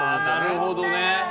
なるほどね。